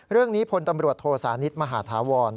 เรื่องนี้พลตำรวจโทสานิทมหาธาวร